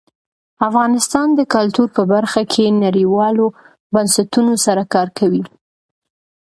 افغانستان د کلتور په برخه کې نړیوالو بنسټونو سره کار کوي.